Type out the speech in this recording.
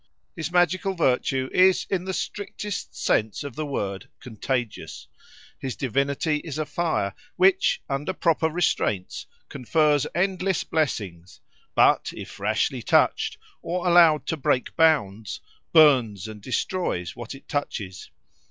His magical virtue is in the strictest sense of the word contagious: his divinity is a fire, which, under proper restraints, confers endless blessings, but, if rashly touched or allowed to break bounds, burns and destroys what it touches.